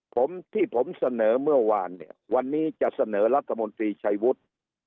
ผมที่ผมเสนอเมื่อวานเนี่ยวันนี้จะเสนอรัฐมนตรีชัยวุฒิ